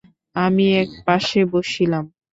আমি এক পাশে বসিলাম।